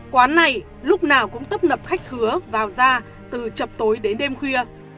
quán này lúc nào cũng tấp nập khách hứa vào ra từ trập tối đến đêm khuya